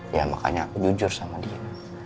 ya makanya aku jujur sama dia